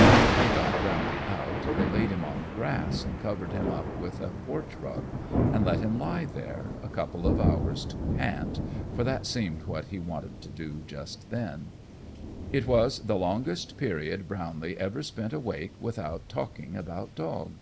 When they got Brownlee out they laid him on the grass, and covered him up with a porch rug, and let him lie there a couple of hours to pant, for that seemed what he wanted to do just then. It was the longest period Brownlee ever spent awake without talking about dog.